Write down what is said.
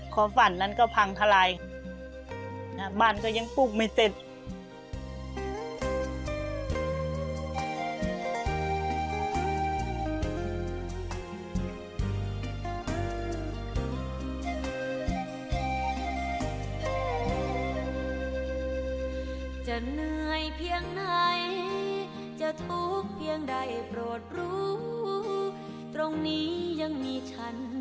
ฝันนั้นก็พังทลายบ้านก็ยังปลูกไม่เสร็จ